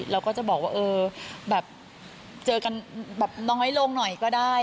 เราก็จะบอกว่าเจอกันน้อยลงหน่อยก็ได้